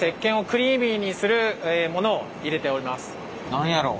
何やろう？